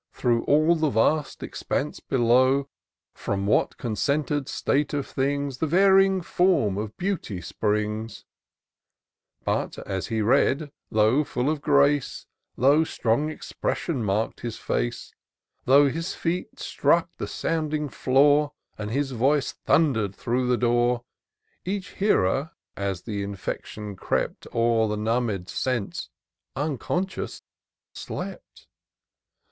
Through all the vast expanse below, From what concentered state of things The varying form of beauty springs ; IN SEARCH OF THE PICTURESQUE. 237 But, as he read, though fiiU of grace, Though strong expression mark'd his face, Though his feet struck the sounding floor. And his voice thunder'd through the door, Each hearer, as th' infection crept O'er the numb'd sense, unconscious slept